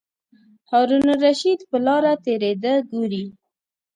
هارون الرشید په لاره تېرېده ګوري.